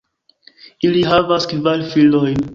Ili havas kvar filojn.